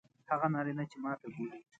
هغه نارینه چې ماته ګوري